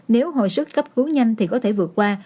nếu hồi sức cấp cứu nhanh thì có thể vượt qua